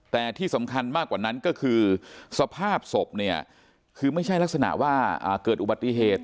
แต่ที่สำคัญมากกว่านั้นก็คือสภาพศพเนี่ยคือไม่ใช่ลักษณะว่าเกิดอุบัติเหตุ